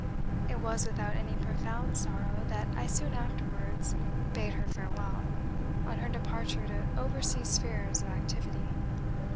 It was without any profound sorrow that I soon afterwards bade her farewell, on her departure to overseas spheres of activity.